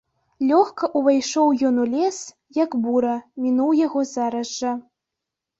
Лёгка ўвайшоў ён у лес, як бура, мінуў яго зараз жа.